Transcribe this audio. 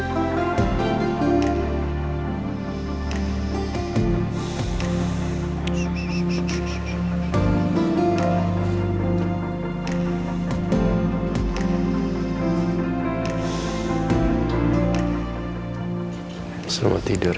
mencoba untuk tidur